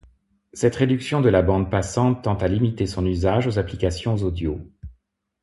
Cette réduction de la bande passante tend à limiter son usage aux applications audio.